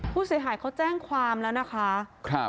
ผู้เสียหายเขาแจ้งความแล้วนะคะ